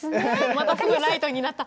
またライトになった。